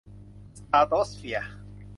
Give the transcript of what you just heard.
สตราโตสเฟียร์